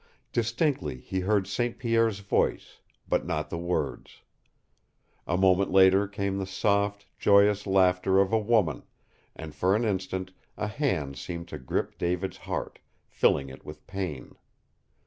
Distinctly he heard St. Pierre's voice, but not the words. A moment later came the soft, joyous laughter of a woman, and for an instant a hand seemed to grip David's heart, filling it with pain.